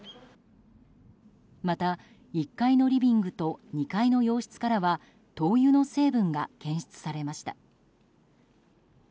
また、１階のリビングと２階の洋室からは灯油の成分が検出されました。